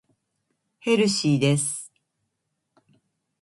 ヘルシーです。